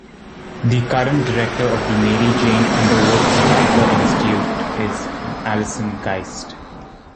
The current director of the Mary Jane Underwood Stryker Institute is Alison Geist.